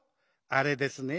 あれですね